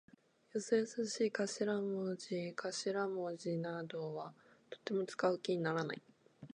よそよそしい頭文字かしらもじなどはとても使う気にならない。